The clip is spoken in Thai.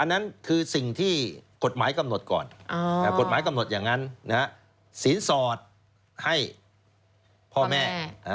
นั่นคือสิ่งที่กฎหมายกำหนดก่อนกฎหมายกำหนดอย่างนั้นศีลสอดให้พ่อแม่